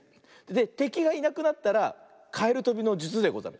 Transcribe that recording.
でてきがいなくなったらかえるとびのじゅつでござる。